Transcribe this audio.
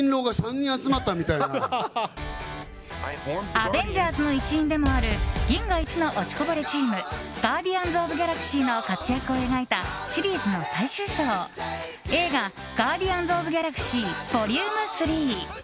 アベンジャーズの一員でもある銀河一の落ちこぼれチームガーディアンズ・オブ・ギャラクシーの活躍を描いたシリーズの最終章映画「ガーディアンズ・オブ・ギャラクシー：ＶＯＬＵＭＥ３」。